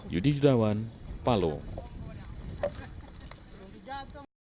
yudi judawan palung